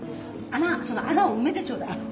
その穴を埋めてちょうだい。